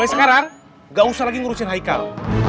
oleh sekarang gak usah lagi ngurusin haikal